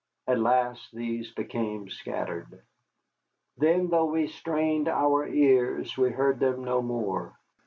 At last these became scattered. Then, though we strained our ears, we heard them no more.